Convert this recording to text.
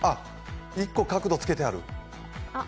１個、角度つけてある。